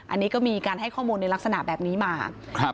อันนี้ก็มีการให้ข้อมูลในลักษณะแบบนี้มา